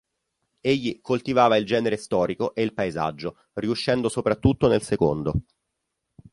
Egli coltivava il genere storico e il paesaggio, riuscendo soprattutto nel secondo.